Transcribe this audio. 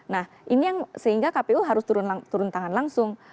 nah ini yang sehingga kpu harus turun tangan langsung